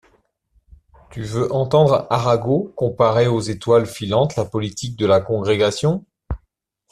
Tu veux entendre Arago comparer aux étoiles filantes la politique de la Congrégation?